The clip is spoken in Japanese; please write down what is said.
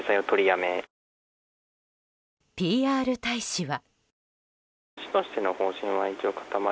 ＰＲ大使は。